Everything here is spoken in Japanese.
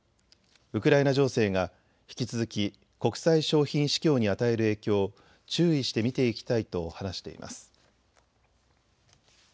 ウクライナ情勢が引き続き国際商品市況に与える影響を注意して見ていきたいと話しています。